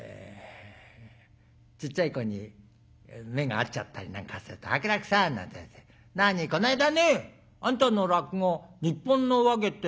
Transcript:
ちっちゃい子に目が合っちゃったりなんかすると「伯楽さん」なんて言われて「何？」。「こないだねえあんたの落語『日本の話芸』っての見た」。